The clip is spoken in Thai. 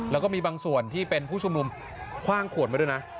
แล้วก็มีบางส่วนที่เป็นผู้ชุมนุมคว่างขวดมาด้วยนะ